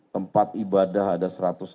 tempat ibadah ada satu ratus lima puluh